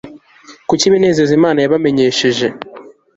kuki ibinezeza imana yabamenyesheje